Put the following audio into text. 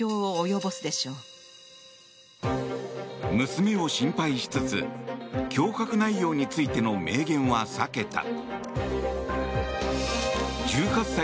娘を心配しつつ脅迫内容についての明言は避けた。